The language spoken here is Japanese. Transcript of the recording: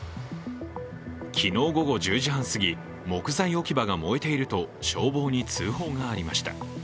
昨日午後１０時半すぎ木材置き場が燃えていると消防に通報がありました。